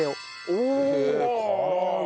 唐揚げ？